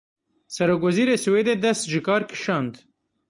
Serokwezîra Swêdê dest ji kar kişand.